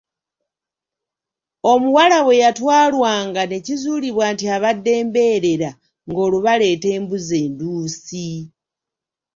"Omuwala bwe yatwalwanga ne kizuulibwa nti abadde mbeerera, ng’olwo baleeta embuzi enduusi."